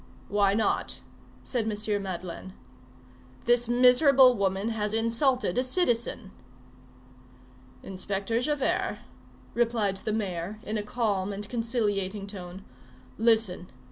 "Why not?" said M. Madeleine. "This miserable woman has insulted a citizen." "Inspector Javert," replied the mayor, in a calm and conciliating tone, "listen.